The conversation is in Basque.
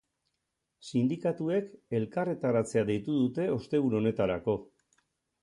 Sindikatuek elkarretaratzea deitu dute ostegun honetarako.